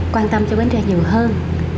quan tâm cho biển tre nhiều hơn